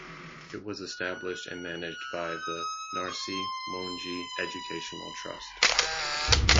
It was established and managed by the Narsee Monjee Educational Trust.